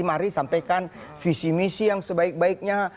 mari sampaikan visi misi yang sebaik baiknya